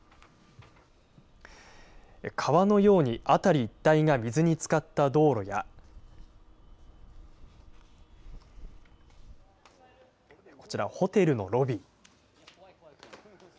川のように辺り一帯が水につかった道路やこちら、ホテルのロビー。